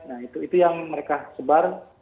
nah itu yang mereka sebar